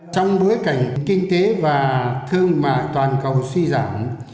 trong bối cảnh kinh tế và thương mại toàn cầu suy giảm